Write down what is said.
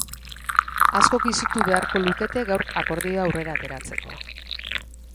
Askok izutu beharko lukete gaur akordioa aurrera ateratzeko.